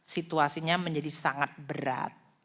situasinya menjadi sangat berat